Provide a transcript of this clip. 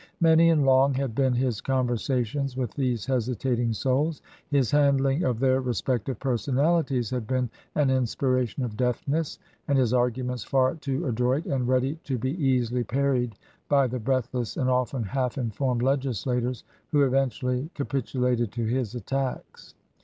Many and long had been his conversations with these hesitating souls ; his handling of their respective personalities had been an inspiration of deftness, and his arguments far too adroit and ready to be easily parried by the breathless and often half informed legislators, who eventually capitu lated to his attacks.